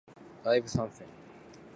ライブ参戦